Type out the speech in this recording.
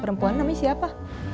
perempuan namanya siapa